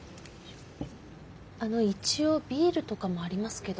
あの一応ビールとかもありますけど。